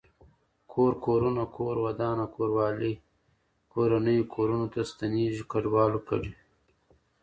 کور کورونه کور ودانه کوروالی کورنۍ کورنو ته ستنيږي کډوالو کډي